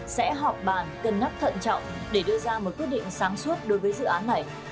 sẽ họp bàn cân nắp thận trọng để đưa ra một quyết định sáng suốt đối với dự án này